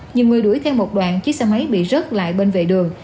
nhiều người đuổi theo một đoạn chiếc xe máy bị rớt lại bên vệ đường